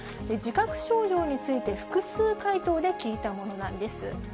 自覚症状について、複数回答で聞いたものなんです。